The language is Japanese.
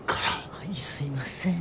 はいすいません。